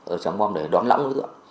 ở tràng bom để đón lõng